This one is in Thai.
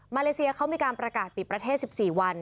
เลเซียเขามีการประกาศปิดประเทศ๑๔วัน